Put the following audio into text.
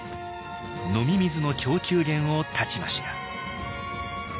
飲み水の供給源を断ちました。